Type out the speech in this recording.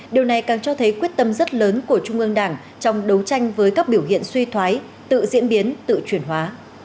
điều này càng cho thấy quyết tâm rất lớn của trung ương đảng trong đấu tranh với các biểu hiện suy thoái tự diễn biến tự chuyển hóa